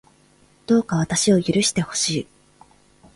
どうか私を許してほしい